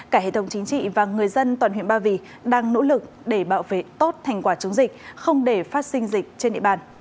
cả hệ thống chính trị và người dân toàn huyện ba vì đang nỗ lực để bảo vệ tốt thành quả chống dịch không để phát sinh dịch trên địa bàn